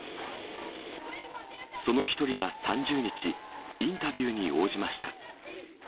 その一人が３０日、インタビューに応じました。